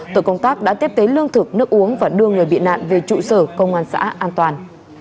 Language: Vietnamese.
tội công tác đã tiếp tế lương thực nước uống và đưa người bị nạn về trụ sở công an xã an toàn